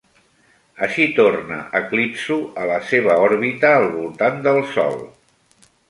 Així torna Eclipso a la seva òrbita al voltant del sol.